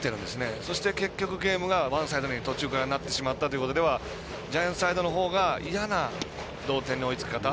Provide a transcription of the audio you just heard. そして、結局ゲームがワンサイドゲームに途中からなってしまったというところではジャイアンツサイドのほうがいやな同点の追いつき方。